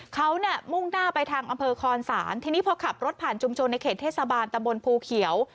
เขาเนี่ยมุ่งหน้าไปทางอำเภอคอนศาลทีนี้พอขับรถผ่านชุมชนในเขตเทศบาลตะบนภูเขียว